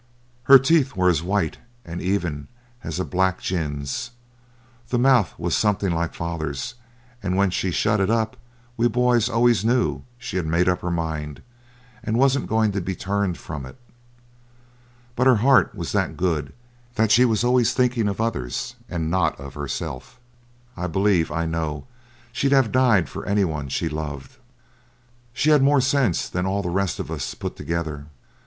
Her teeth were as white and even as a black gin's. The mouth was something like father's, and when she shut it up we boys always knew she'd made up her mind, and wasn't going to be turned from it. But her heart was that good that she was always thinking of others and not of herself. I believe I know she'd have died for any one she loved. She had more sense than all the rest of us put together.